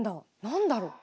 何だろう。